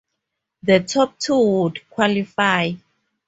The top two would qualify.